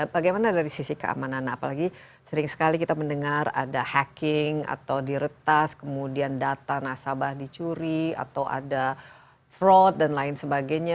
bagaimana dari sisi keamanan apalagi sering sekali kita mendengar ada hacking atau diretas kemudian data nasabah dicuri atau ada fraud dan lain sebagainya